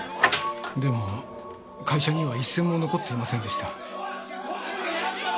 でも会社には一銭も残っていませんでした。